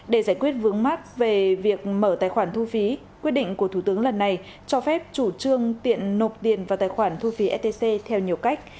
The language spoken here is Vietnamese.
để giải quyết vướng mắt về việc mở tài khoản thu phí quyết định của thủ tướng lần này cho phép chủ trương tiện nộp tiền vào tài khoản thu phí stc theo nhiều cách